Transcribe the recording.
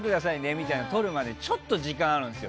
みたいなのを撮るまでにちょっと時間があるんですよ。